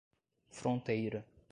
Fronteira